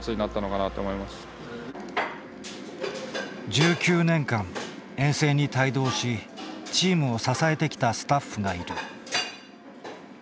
１９年間遠征に帯同しチームを支えてきたスタッフがいる。